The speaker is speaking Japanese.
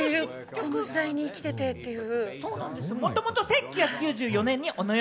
この時代に生きててという。